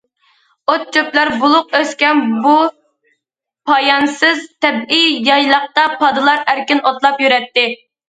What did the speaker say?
ئوت- چۆپلەر بولۇق ئۆسكەن بۇ پايانسىز تەبىئىي يايلاقتا پادىلار ئەركىن ئوتلاپ يۈرەتتى.